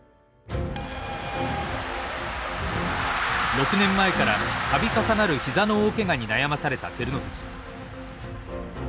６年前から度重なる膝の大けがに悩まされた照ノ富士。